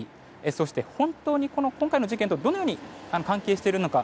そして、本当に今回の事件とどのように関係しているのか